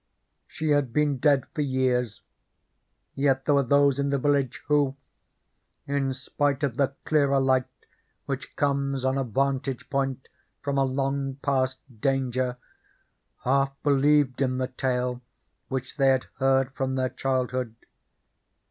She had been dead for years, yet there were those in the village who, in spite of the clearer light which comes on a vantage point from a long past danger, half believed in the tale which they had heard from their childhood.